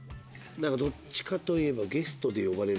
どっちかといえば。